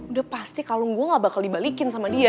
udah pasti kalung gue gak bakal dibalikin sama dia